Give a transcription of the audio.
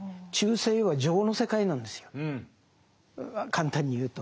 簡単に言うと。